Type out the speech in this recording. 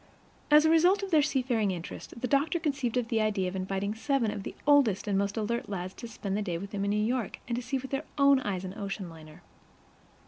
As a result of their seafaring interest, the doctor conceived the idea of inviting seven of the oldest and most alert lads to spend the day with him in New York and see with their own eyes an oceanliner.